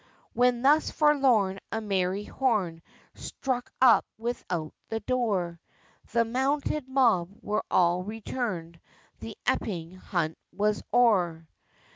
When thus forlorn, a merry horn Struck up without the door, The mounted mob were all returned; The Epping Hunt was o'er!